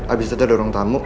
abis itu ada orang tamu